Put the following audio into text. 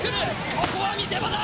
ここは見せ場だ！